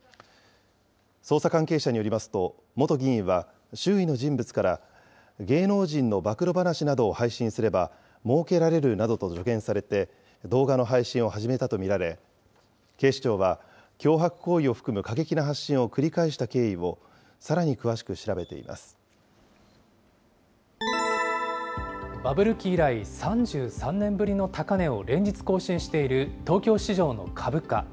捜査関係者によりますと、元議員は、周囲の人物から芸能人の暴露話などを配信すれば、もうけられるなどと助言されて、動画の配信を始めたと見られ、警視庁は、脅迫行為を含む過激な発信を繰り返した経緯をさらに詳しく調べてバブル期以来、３３年ぶりの高値を連日更新している東京市場の株価。